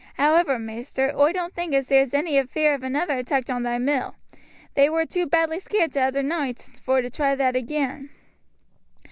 However, maister, oi doan't think as there's any fear of another attack on thy mill; they war too badly scaared t'other noight vor to try that again."